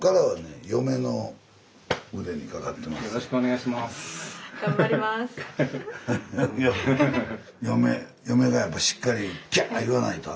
はい。